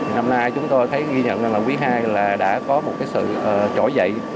năm nay chúng tôi thấy ghi nhận là quý hai đã có một sự trỏ dậy